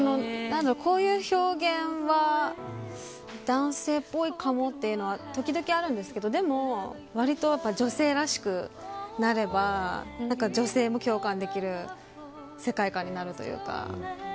こういう表現は男性っぽいかもってのは時々あるんですけど女性らしくなれば女性も共感できる世界観になるというか。